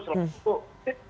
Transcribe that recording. dijalankan oleh fraksi